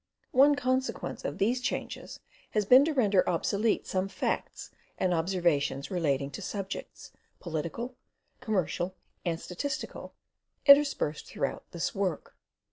One consequence of these changes has been to render obsolete some facts and observations relating to subjects, political, commercial, and statistical, interspersed through this work.